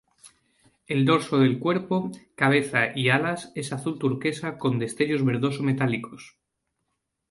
El dorso del cuerpo, cabeza y alas es azul-turquesa con destellos verdoso-metálicos.